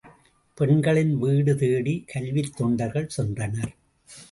பெண்களின் வீடு தேடி, கல்வித் தொண்டர்கள் சென்றனர்.